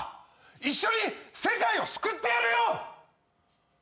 一緒に世界を救ってやるよ！